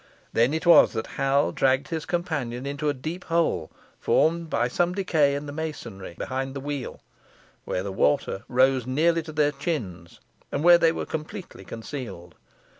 Then it was that Hal dragged his companion into a deep hole, formed by some decay in the masonry, behind the wheel, where the water rose nearly to their chins, and where they were completely concealed.